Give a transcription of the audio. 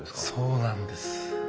そうなんです。